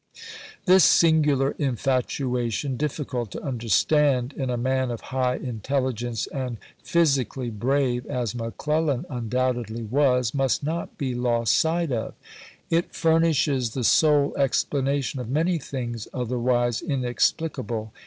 This singular infatuation, difficult to under stand in a man of high intelligence and physically brave, as McClellan undoubtedly was, must not be lost sight of. It furnishes the sole explanation of many things otherwise inexplicable.